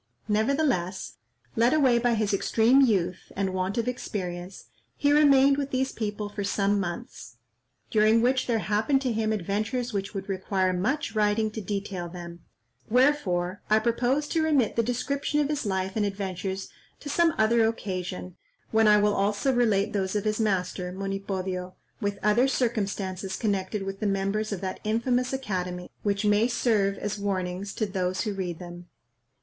Nevertheless, led away by his extreme youth, and want of experience, he remained with these people for some months, during which there happened to him adventures which would require much writing to detail them; wherefore I propose to remit the description of his life and adventures to some other occasion, when I will also relate those of his master, Monipodio, with other circumstances connected with the members of that infamous academy, which may serve as warnings to those who read them.